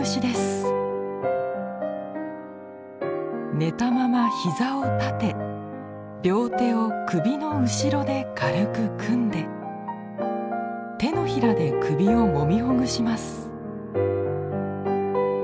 寝たまま膝を立て両手を首の後ろで軽く組んで手のひらで首をもみほぐします。